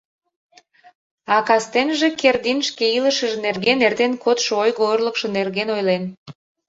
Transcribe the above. А кастенже Кердин шке илышыж нерген, эртен кодшо ойго-орлыкшо нерген ойлен.